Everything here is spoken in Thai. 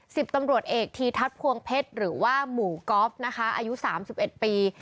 สิบตำรวจเอกทีทัศน์พวงเพชรหรือว่าหมู่ก๊อฟนะคะอายุสามสิบเอ็ดปี